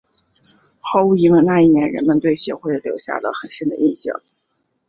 毫无疑问那一年人们对协会留下了很深的印象。